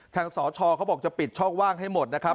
สชเขาบอกจะปิดช่องว่างให้หมดนะครับ